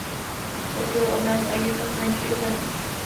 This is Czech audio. Posílil obranu Egypta zvenčí i zevnitř.